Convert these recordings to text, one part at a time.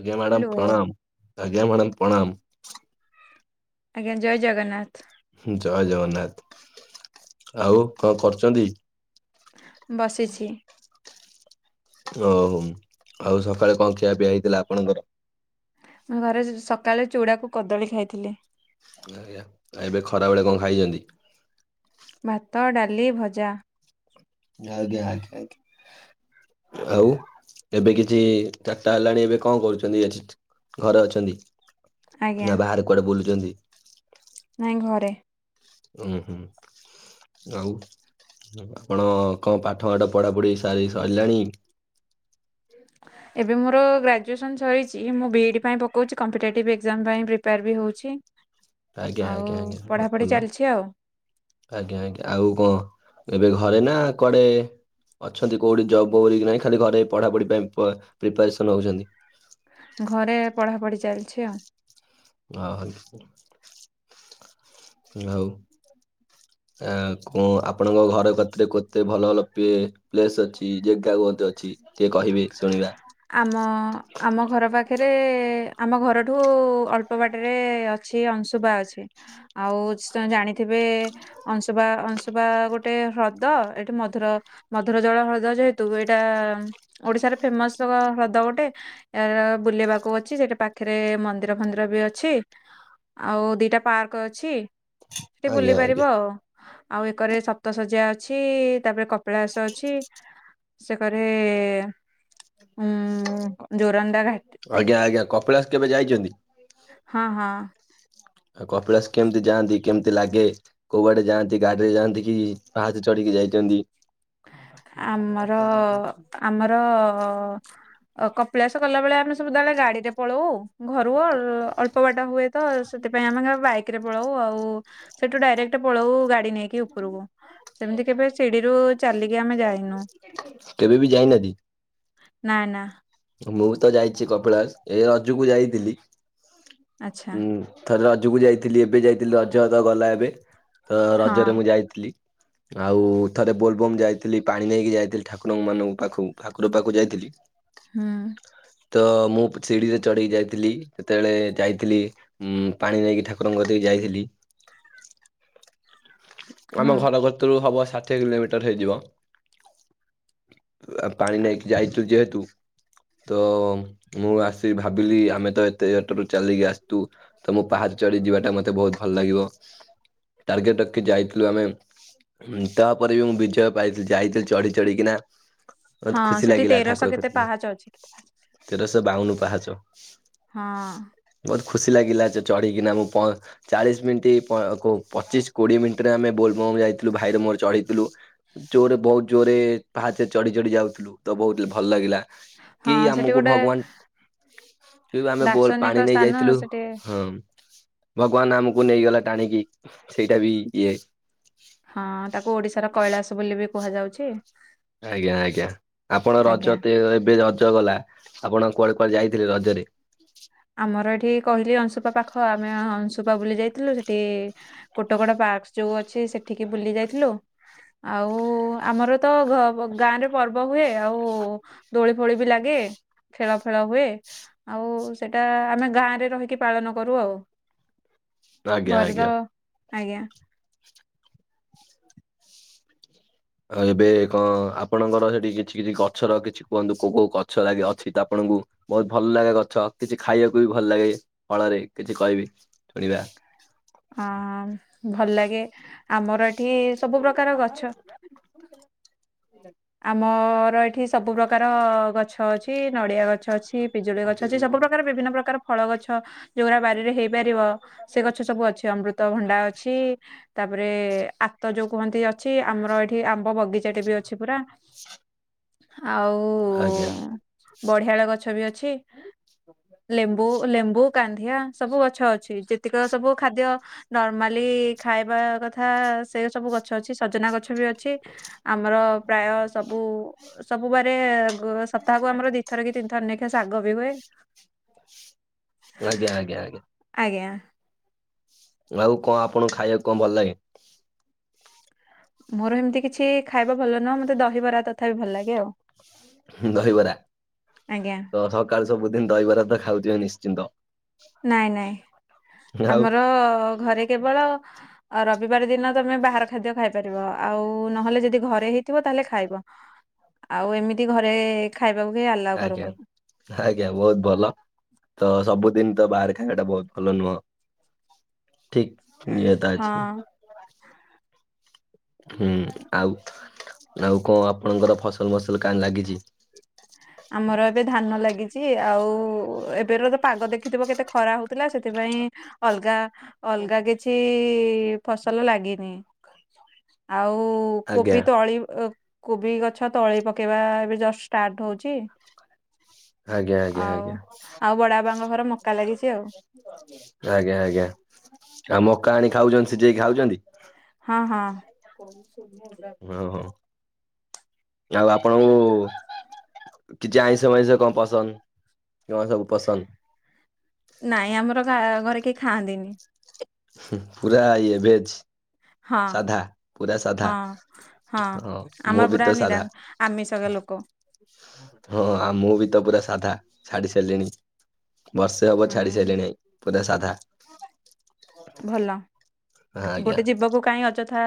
ଆଜ୍ଞା madam hello ପ୍ରଣାମ ଆଜ୍ଞା ମ୍ୟାଡ଼ାମ ପ୍ରଣାମ। ଆଜ୍ଞା ଜୟ ଜଗନ୍ନାଥ। ଜୟ ଜଗନ୍ନାଥ ଆଉ କଣ କରୁଛନ୍ତି? ବସିଛି। ଓହୋ ଆଉ ସକାଳେ କଣ ଖିଆ ପିଆ ହେଇଥିଲା ଆପଣଙ୍କର? ମୁଁ ଘରେ ସକାଳେ ଚୁଡ଼ାକୁ କଦଳୀ ଖାଇଥିଲି। ଏବେ ଖରାବେଳେ କଣ ଖାଇଛନ୍ତି? ଭାତ ଡାଲି ଭଜା। ଆଜ୍ଞା ଆଜ୍ଞା। ଆଉ ଏବେ କିଛି ଚାରିଟା ହେଲାଣି ଏବେ କଣ କରୁଛନ୍ତି? ଘରେ ଅଛନ୍ତି ଆଜ୍ଞା। ନା ବାହାରେ କୁଆଡେ ବୁଲୁଛନ୍ତି। ନାଇଁ ଘରେ। ଓ ହଁ ଆଉ ଆପଣ କଣ ପାଠ ମାଠ ପଢାପଢି ଆଇ ସଇଲାନି। ଏବେ ମୋର ଗ୍ରାଜୁଏସନ୍ ସରିଛି ମୁଁ ବିଇଡ଼ି ପାଇଁ ପକଉଛି କମ୍ପିଟେଟିଭ୍ ଏକ୍ଜାମ ପାଇଁ ପ୍ରିପେୟାର ବି ହେଉଛି। ଆଜ୍ଞା ଆଜ୍ଞା ଆଜ୍ଞା ବହୁତ ଭଲ। ଚାଲିଛି ଆଉ ଆଜ୍ଞା ଆଜ୍ଞା ଆଉ କଣ ଏବେ ଘରେ ନା କୁଆଡେ? ଅଛନ୍ତି କଉଠି ଜବ୍ କ ନାଇଁ ଖାଲି ଘରେ ପଢାପଢି ପାଇଁ ପ୍ରିପାରେସନ ହଉଛନ୍ତି? ଘରେ ପଢା ପଢି ଚାଲିଛି ଆଉ। ହ ହଉ। ଆ କଣ ଆପଣଙ୍କ ଘର କତିରେ କେତେ ଭଲ ଭଲ ପି ପ୍ଲେସ୍ ଅଛି ଜାଗା କତେ ଅଛି ସେଏ କହିବେ ଶୁଣିବା। ଆମ ଆମ ଘର ପାଖରେ ଆମ ଘରଠୁ ଅଳ୍ପ ଉପୂବାଟରେ ଅଛି ଅଂଶୁବା ଅଛି ଆଉ ଜାଣିଥିବେ। ଅଂଶୁପା ଅଂଶୁପା ଗୋଟେ ହ୍ରଦ ଏଠି ମଧୁର ମଧୁର ଜଳ ହ୍ରଦ ଯେହେତୁ ଏଇଟା ଓଡିଶାରେ ଫେମସ ହ୍ରଦ ଗୋଟେ। ଏ ବୁଲେଇବାକୁ ଅଛି ସେଟା ପାଖରେ ମନ୍ଦିର ଫନ୍ଦିର ବି ଅଛି। ଆଉ ଦିଟା ପାର୍କ ଅଛି, ସେଠି ବୁଲି ଆଜ୍ଞା ପାରିବ ଆଜ୍ଞା ଆଉ। ଆଉ ଏକରେ ସପ୍ତ ଶଜ୍ୟା ଅଛି ତାପରେ କପିଳାସ ଅଛି। ସେକରେ ଉଁ ଜୋରଣ୍ଡା ଘା ଆଜ୍ଞା ଆଜ୍ଞା କପିଳାସ କେବେ ଯାଇଛନ୍ତି? ହଁ ହଁ। ଆଉ କପିଳାସ କେମିତି ଯାଆନ୍ତି କେମିତି ଲାଗେ। କୁଆଡେ ଯାଆନ୍ତି ଗାଡିରେ ଯାଆନ୍ତି କି ପାହାତ ଚଢ଼ିକି ଯାଇଛନ୍ତି। ଆମର ଆମର କପିଳାସ କଲାବେଳେ ଆମେ ବଧାବେେ ଗଡି ରେ ପଳଉ ଆଉ। ଘରୁ ଅଳ୍ପ ବାଟା ହୁଏ ତ ସେଥିପାଇଁ ଆମେ ବାଇକ ରେ ପଳାଉ ଆଉ। ସେଠୁ ଡାଇରେକ୍ଟ ପଳଉ ଗାଡି ନେଇକି ଉପରକୁ ସେମିତି କେବେ ଶିଡିରୁ ଚାଲିକି ଆମେ ଯାଇନୁ କେବେ ବି ଯାଇନାହାନ୍ତି ନା ନା। ମୁଁ ବି ତ ଯାଇଛି କପିଳା ଏ ରଜକୁ ଯାଇଥିଲି ଆଚ୍ଛା ହୁଁ। ଥରେ ରଜକୁ ଯାଇଥିଲି ଏବେ ଯାଇଥିଲି ରଜ ତ ଗଲା ଏବେ ତ ହଁ ରଜରେ ମୁଁ ଯାଇଥିଲି। ଆଉ ଥରେ ବୋଲବମ୍ ଯାଇଥିଲି ପାଣି ନେଇକି ଯାଇଥିଲି ଠାକୁର ମାନଙ୍କ ପାଖକୁ ଠାକୁର ପାଖକୁ ଯାଇଥିଲି। ହୁଁ। ତ ମୁଁ ସିଢଡିିରେ ଚଢେଇକି ଯାଇଥିଲି ଯେତେବେଳେ ଯାଇଥିଲି। ଉଁ ପାଣି ନେଇକି ଠାକୁରଙ୍କ ଦେଇକି ଯାଇଥିଲି। ଆମ ହଁ ଘର ଘର ତରୁ ହବ ସା ଅଠ କିଲୋମିଟର ହେଇଯିବ ଆ ପାଣି ନେଇକି ଯାଇଛୁ ଯେହେତୁ ତ ମୁଁ ଆସିି ଭାବିଲି ଆମେ ତ ଏତେ ଜଟାରୁ ଚାଲିକି ଆସିଛୁ। ତ ମୁଁ ପାହାାରୁ ଚଢି ଯିବାଟା ମତେ ବହୁତ ଭଲ ଲାଗିବ ଟାର୍ଗେଟ ରଖି ଯାଇଥିଲୁ ଆମେ ତାପରେ ବି ମୁ ବିଜୟ ପାଇଥିଲି ଯାଇଥିଲି ଚଢି ଚଢିକିନା ମତେ ହଁ ଖୁସି ସେଠି ଲାଗିଲା ତେରଶହ ଠାକୁର କେତେ କତିିକାଇ। ପାହାଚ ଅଛି। ତେର ଶହ୍ ବାଉନ ପାଚ। ହଁ। ବହୁତ ଖୁସି ଲାଗିଲା ସେ ଚଢ଼ିକିନା ମୁଁ ଚାଳିଶ ମିନିଟ୍ ପଚିଶ କୋଡିଏ ମିନିଟରେ ଆମେ ବୋଲବମ ଯାଇଥିଲୁ ଭାଇରେ ମୋର ଚଢେଇଥିଲୁ। ଜୋରେ ବହୁତ ଜୋରେ ପାହାଚ ଚଢି ଚଢି ଯାଉଥିଲୁ ତ ବହୁତ ଭଲ ଲାଗିଲା। କି ହଁ ସେଠି ଆମକୁ ଗୋଟେ ଭଗବାନ ଆମେ ବ ପାଣି ଦାର୍ଶନିକ ନେଇ ସ୍ଥାନ ଯାଇଥିଲୁ ସେଠି ହଁ। ଭଗବାନ ଆମକୁ ନେଇଗଲା ଟାଣିକି ସେଇଟା ବି ଇଏ। ହଁ ତାକୁ ଓଡିଶାର କୈଳାସ ବୋଲି ବି କୁହାଯାଉଛି। ଆଜ୍ଞା ଆଜ୍ଞା ଆପଣ ଆଜ୍ଞା। ରଜ ତ ଏବେ ରଜ ଗଲା। ଆପଣ କୁଆଡେ କୁଆେ ଯାଇଥିଲେ ରଜରେ? ଆମର ଏଠି କହିଲି ଅଂଶୁପା ପାଖ ଆମେ ଅଂଶୁପା ବୁଲି ଯାଇଥିଲୁ ସେଠି କୋଟ କୋଡ ପାର୍କ ଯୋଉ ଅଛି ସେଠିକି ବୁଲି ଯାଇଥିଲୁ। ଆଉ ଆମର ତ ଗାଁରେ ପର୍ବ ହୁଏ ଆଉ ଦୋଳି ଫୋଳି ବି ଲାଗେ ଖେଳ ଫେଳ ହୁଏ ଆଉ ସେଟା ଆମେ ଗାଁରେ ରହିକି ପାଳନ କରୁ ଆଉ ଆଜ୍ଞା ଘରେ ଆଜ୍ଞା। ତ ଆଜ୍ଞା। ଆ ଏବେ କଣ ଆପଣଙ୍କର ସେଠି କିଛି କିଛି ଗଛର କିଛି କୁହନ୍ତୁ କୋଉ କୋଉ ଗଛ ଲାଗେ ଅଛି ତ ଆପଣଙ୍କୁ ବହୁତ ଭଲ ଲାଗେ ଗଛ କିଛି ଖାଇବାକୁ ବି ଭଲ ଲାଗେ ଫଳରେ କିଛି କହିବି ଶୁଣିବା। ଅ ଭଲ ଲାଗେ ଆମର ଏଠି ସବୁ ପ୍ରକାର ଗଛ ଆମର ଏଠି ସବୁ ପ୍ରକାର ଗଛ ଅଛି ନଡିଆ ଗଛ ଅଛି। ପିଜୁଳି ଗଛ ଅଛି ସବୁ ପ୍ରକାର ବିଭିନ୍ନ ପ୍ରକାର ଫଳ ଗଛ ଯୋଉଗୁଡା ବାରିରେ ହେଇପାରିବ ସେ ଗଛ ସବୁ ଅଛି। ଅମୃତ ଭଣ୍ଡା ଅଛି। ତାପରେ ଆତ ଯୋଉ କୁହନ୍ତି ଅଛି ଆମର ଏଠି ଆମ୍ବ ବଗିଚାଟ ବି ଅଛି ପୁରା। ଆଉ ଆଜ୍ଞା। ବଢିଆଳ ଗଛ ବି ଅଛି। ଲେମ୍ବୁ ଲେମ୍ବୁ କାନ୍ଧିଆ ସବୁ ଗଛ ଅଛି ଯେତିକି ସବୁ ଖାଦ୍ୟ ନର୍ମାଲି ଖାଇବା କଥା ସେ ସବୁ ଗଛ ଅଛି ସଜନା ଗଛ ବି ଅଛି। ଆମର ପ୍ରାୟ ସବୁ ସବୁବାରେ ସପ୍ତାହକୁ ଆମର ଦିଥର କି ନେଖା ଶାଗ ବି ହୁଏ। ଆଜ୍ଞା ଆଜ୍ଞା ଆଜ୍ଞା। ଆଜ୍ଞା। ଆଉ କଣ ଆପଣଙ୍କୁ ଖାଇବାକୁ କଣ ଭଲ ଲାଗେ? ମୋର ହେମତି କିଛି ଖାଇବା ଭଲ ନୁହଁ ମତେ ଦହିବରା ତଥାପି ଭଲ ଲାଗେ ଆଉ। ଦହିବରା ଆଜ୍ଞା ତ ସକାଳୁ ସବୁଦିନ ଦହିବରା ଖାଉଥିବେ ନିଶ୍ଚିନ୍ତ। ନାଇଁ ନାଇଁ ଆଉ ଆମର ଘରେ କେବଳ ଆଉ ରବିବାର ଦିନ ତମେ ବାହାର ଖାଦ୍ୟ ଖାଇପାରିବ ଆଉ ନହେଲେ ଯଦି ଘରେ ହେଇଥିବ ଖାଇବ। ଆଉ ଏମିତି ଘରେ ଖାଇବାକୁ କେହି ଆଲାଓ ଆଜ୍ଞା। କରନ୍ତିନି। ଆଜ୍ଞା ବହୁତ ଭଲ ତ ସବୁ ଦିନ ତ ବାହାରେ ଖାଇବା ଭଲ ନୁହଁ। ଠିକ ନିଏ ତା ଅଛି। ହଁ ହୁଁ ଆଉ ଆଉ କଣ ଆପଣଙ୍କର ଫସଲ ମସଲ କାଁ ଲାଗିଚି? ଆମର ଏବେ ଧାନ ଲାଗିଛି ଆଉ ଏବେର ତ ପାଗ ଦେଖିଥିବ ତ କେତେ ଖରା ହଉଥିଲା ସେଥିପାଇଁ ଅଲଗା ଅଲଗା କିଛି ଫସଲ ଲାଗିନି। ଆଉ ଆଜ୍ଞା କୋବି ତଳି ଅ କୋବି ଗଛ ତଳି ପକେଇବା ଏବେ ଜଷ୍ଟ ଷ୍ଟାର୍ଟ ହଉ ଛି ଆଜ୍ଞା ଆଜ୍ଞା ଆଉ ଆଜ୍ଞା ଆଉ ବଡ ବାବାଙ୍କ ଘରେ ମକା ଲାଗିଚି ଆଉ। ଆଜ୍ଞା ଆଜ୍ଞା ଆଉ ମକା ଆଣି ଖାଉଛନ୍ତି ସିଜେଇକି ଖାଉଛନ୍ତି। ହଁ ହଁ। ଓହୋ ଆଉ ଆପଣଙ୍କୁ କିଛି ଆଇଁଷ ମାଇଁଷ କଣ ପସନ୍ଦ କଣ ସବୁ ପସନ୍ଦ? ନାଇଁ ଆମର ଗାଁ ଘରେ କେହି ଖାଆନ୍ତିନି। ପୁରା ଇଏ ଭେଜ୍। ହଁ ସାଧା ପୁରା ସାଧା ହଁ ହଁ ଆମର ମୁଁ ବି ପୁରା ତ ନିରାମ ସାଧା। ଆମିଷକା ଲୋକ ହଁ ଆଉ ମୁଁ ବି ତ ପୁରା ସାଧା ଛାଡିିସାରିଲିଣି। ବର୍ଷେ ହବ ହୁଁ ଛାଡି ସାରିଲିଣି ପୁରା ସାଧା। ଭଲ ଆଜ୍ଞା ଗୋଟେ ଜୀବ କୁ କାହିଁକି ଅଯଥା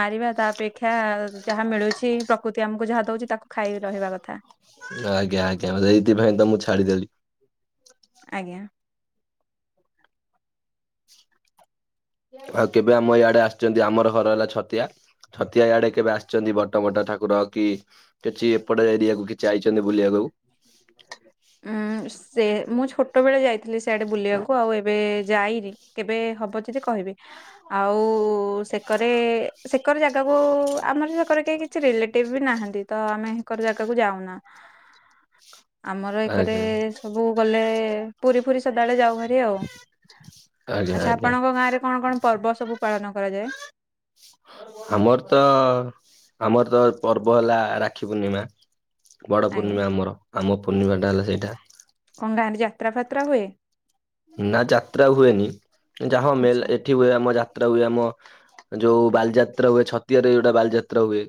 ମାରିବା ତା ଅପେକ୍ଷା ଯାହା ମିଳୁଛି ପ୍ରକୃତି ଆମକୁ ଯାହା ଦୋଉଚି ତାକୁ ଖାଇ ରହିବା କଥା। ଆଜ୍ଞା ଆଜ୍ଞା ହେଇଥି ପାଇଁ ତ ମୁଁ ଛାଡ଼ିଦେଲି। ଆଜ୍ଞା। ଆଉ କେବେ ଆମ ଇଆଡେ ଆସଚନ୍ତି ଆମର ଘର ହେଲା ଛତିଆ। ଛତିଆ ଇଆଡେ କେବେ ଆସୁଛନ୍ତି ବଡ ବଡ଼ ଠାକୁର କି କିଛି ଏପଟେ ଏରିଆକୁ କିଛି ଆଇଚନ୍ତି ବୁଲିବାକୁ? ଉଁ ସେ ମୁଁ ଛୋଟ ବେଳେ ଯାଇଥିଲି ସିଆଡେ ବୁଲିବାକୁ ଆଉ ଏବେ ଯାଇନି। କେବେ ହବ ଯଦି କହିବେ ଆଉ ଉ ସେ କରେ ସେ କରେ ଜାଗାକୁ ଆମର ସେ କରେ କେହି କିଛି ରିଲେଟିବ ବି ନାହାନ୍ତି। ତ ଆମେ ହେକର ଜାଗାକୁ ଯାଉନା। ଆମର ଏ କରେ ଆଜ୍ଞା ସବୁ ଗଲେ ପୁରୀ ଫୁରୀ ସଦାବେଳେ ଯାଉ ହାରି ଆଉ। ଆଜ୍ଞା ଆଚ୍ଛା ଆଜ୍ଞା ଆପଣଙ୍କ ଗାଁରେ କଣ କଣ ପର୍ବ ସବୁ ପାଳନ କରାଯାଏ? ଆମର ତ ଆମର ତ ପର୍ବ ହେଲା ରାକ୍ଷୀ ପୂର୍ଣ୍ଣିମା। ବଡ ଆଜ୍ଞା ପୂର୍ଣ୍ଣିମା ଆମର ଆମ ପୂର୍ଣ୍ଣିମାଟା ହେଲା ସେଇଟା। କଁ ଗାଁରେ ଯାତ୍ରା ଫାତ୍ରା ହୁଏ। ନା ଯାତ୍ରା ହୁଏନି ଯାହା ଆଚ୍ଛା। [unintelligible] ଏଠି ହୁଏ ଆମ ଯାତ୍ରା ହୁଏ ଆମ ଯୋଉ ବାଲିଯାତ୍ରା ଛତିଆ ରେ ଯୋଉ ବାଲିଯାତ୍ରା ହୁଏ।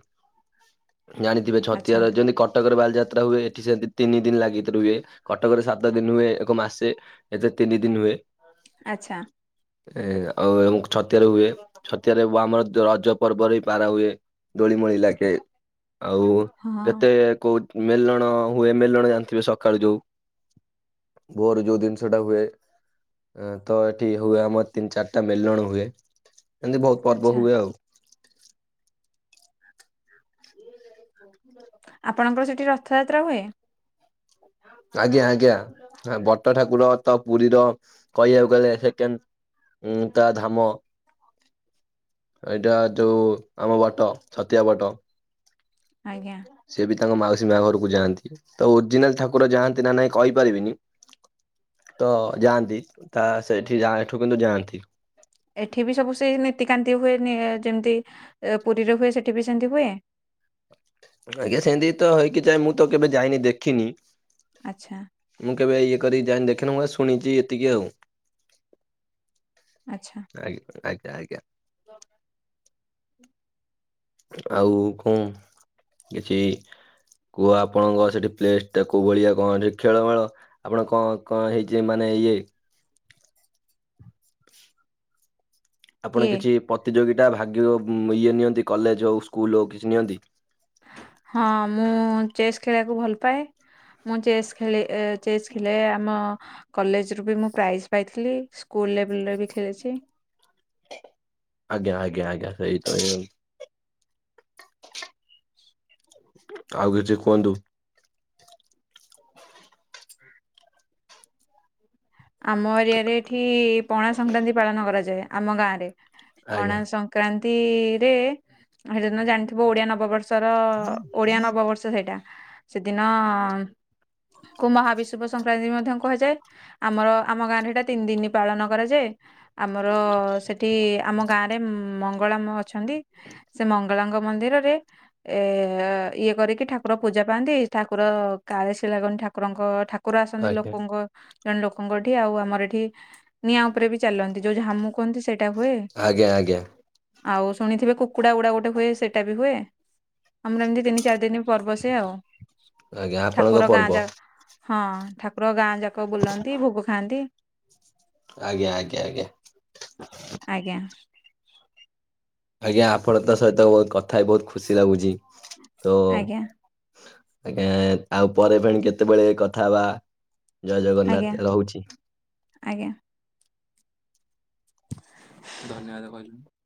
ଜାଣିଥିବେ ଛତିଆ ଆଚ୍ଛା ରେ ଯେମିତି କଟକରେ ବାଲିଯାତ୍ରା ହୁଏ ଏଠି ସେମିତି ତିନି ଦିନ ଲାଗିକି ହୁଏ। କଟକରେ ସାତ ଦିନ ହୁଏ ଏକ ମାସେ ଏଠି ତିନି ଦିନ ହୁଏ। ଆଛା। ଏ ଆଉ ଜଣେ ଛତିଆ ରେ ହୁଏ ଛତିଆ ରେ ବି ରଜ ପର୍ବ ପାଳନ ହୁଏ। ଦୋଳି ମୋଲି ଲାଗେ ଆଉ ହଁ କେତେ କୋଉ ମେଲଣ ହୁଏ ମେଲେନ ଜାଣି ଥିବେ ସକାଳୁ ଯୋଉ ଭୋରୁ ଯୋଉ ଜିନିଷ ଟା ହୁଏ। ତ, ଏଠି ହୁଏ ଆମର ତିନି ଚାରିଟା ମେଲଣ ହୁଏ, ଏମିତି ବହୁତ ପର୍ବ ଆଚ୍ଛା ହୁଏ ଆଉ। ଆପଣଙ୍କର ସେଠି ରଥଯାତ୍ରା ହୁଏ? ଆଜ୍ଞା, ଆଜ୍ଞା ବଟ ଠାକୁର ତ ପୁରୀର କହିବାକୁ ଗଲେ ସେକେଣ୍ଡ ଉଁ ତା ଧାମ ଏଇଟା ଯୋଉ, ଆମ ବଟ ଛତିଆ ବଟ। ଆଜ୍ଞା। ସେଏ ବି ତାଙ୍କ ମାଉସୀ ମା ଘରକୁ ଯାଆନ୍ତି, ତ ଓଜିନାଲ ଠାକୁର ଯାଆନ୍ତି ନା ନାଇଁ କହିପାରିବିନି। ତ ଯାଆନ୍ତି, ତା ସେଠି ଯା ଏଠୁ କିନ୍ତୁ ଯାଆନ୍ତି। ଏଠି ବି ସବୁ ସେଇ ନୀତିକାନ୍ତି ହୁଏନି ଯେମିତି ପୁରୀରେ ହୁଏ, ସେଠି ବି ସେମିତି ହୁଏ? ଆଜ୍ଞା ସେମିତି ତ ହେଇକି ଯାଏ, ମୁଁ ତ କେବେ ଯାଇନି ଦେଖିନି। ଆଚ୍ଛା। ମୁଁ କେବେ ଇଏ କରି ଯାଇନି ଦେଖିନି ମୁଁ ଶୁଣିଛି ଏତିକି ଆଉ ଆଚ୍ଛା। ଆଜ୍ଞା, ଆଜ୍ଞା, ଆଜ୍ଞା। ଆଉ, କଣ କିଛି? କୁହ ଆପଣଙ୍କ ସେଠି ପ୍ଲେସ ଟା କୋଉ ଭଳିଆ କଣଅଛି ଖେଳମେଳ ଆପଣ କଣ କଣ ହେଇଛି, ମାନେ ଇଏ ଆପଣ କିଏ? କିଛି ପ୍ରତିଯୋଗିତା ଭାଗିଅ ଉଁ ଇଏ ନିଅନ୍ତି? କଲେଜ ହଉ, ସ୍କୁଲ ହଉ, କିଛି ନିଅନ୍ତି? ହଁ, ମୁଁ ଚେସ୍ ଖେଳିବାକୁ ଭଲ ପାଏ। ମୁଁ ଚେସ୍ ଖେଳେ, ଏ ଚେସ୍ ଖେଳେ ଆମ କଲେଜରୁ ବି ମୁଁ ପ୍ରାଇଜ ପାଇଥିଲି। ସ୍କୁଲ ଲେବୁଲରେବି ଖେଳିଛି। ଆଜ୍ଞା ଆଜ୍ଞା ଆଜ୍ଞା ସେଇ ତଇ [inaudible] ଆଉ କିଛି କୁହନ୍ତୁ। ଆମ ଏରିଆରେ ଏଠି ପଣା ସଂକ୍ରାନ୍ତି ପାଳନ କରାଯାଏ। ଆମ ଗାଁରେ, ପଣା ଆଜ୍ଞା ସଂ କ୍ରାନ୍ତି ରେ, ଉଁ ହେଦିନ ଜାଣିଥିବ ଓଡିଆ ନବବର୍ଷର ଓଡିଆ ନବବର୍ଷ ସ ହେଟା। ସେଦିନ କୁ ମହାବିଶୁବ ସଂକ୍ରାନ୍ତି ମଧ୍ୟ କୁହାଯାଏ। ଆମର, ଆମ ଗାଁରେ ହେଟା ତିନି ଦିନ ପାଳନ କରାଯାଏ। ଆମର ସେଠି ଆମ ଗାଁରେ ମଙ୍ଗଳାମ ଅଛନ୍ତି। ସେ ମଙ୍ଗଳାଙ୍କ ମନ୍ଦିରରେ ଏ ଇଏ କରିକି ଠାକୁର ପୂଜା ପାଆନ୍ତି। ଠାକୁର କାଳେସି ଲାଗନ୍ତି ଠାକୁରଙ୍କ ଠା କୁର ଆସନ୍ତି ଆଜ୍ଞା। ଲୋକଙ୍କ ଜଣେ ଲୋକଙ୍କ ଏଠି, ଆଉ ଆମର ଏଠି ନିଆଁ ଉପରେବି ଚାଲନ୍ତି। ଯୋଉ ଝାମୁ କୁହନ୍ତି ସେ ଟା ହୁଏ। ଆଜ୍ଞା ଆଜ୍ଞା ଆଉ ଶୁଣିଥିବେ କୁକୁଡା ଗୁଡା ଗୋଟେ ହୁଏ, ସେଇଟା ବି ହୁଏ। ଆମର ଏମିତି ତିନି ଚାରି ଦିନି ପର୍ବ ସେ ଆଉ। ଆଜ୍ଞା ଆପଣଙ୍କ ଠାକୁର ପର୍ବ ଗାଁ ଯା, ହଁ ଠାକୁର ଗାଁ ଯାକ ବୁଲନ୍ତି, ଭୋଗ ଖାଆନ୍ତି। ଆଜ୍ଞା, ଆଜ୍ଞା, ଆଜ୍ଞା। ଆଜ୍ଞା। ଆଜ୍ଞା, ଆପଣଙ୍କ ସହିତ ବହୁତ କଥା ହୋଇ ବହୁତ ଖୁସି ଲାଗୁଛି। ତ ଆଜ୍ଞା ଆଜ୍ଞା, ଆଉ ପରେ ଫେଣି କେତେବେଳେ କଥାହବା। ଜୟ ଆଜ୍ଞା ଜଗନ୍ନାଥ, ରହୁଛି। ଆଜ୍ଞା। ଧନ୍ୟବାଦ ଭାଉଜ।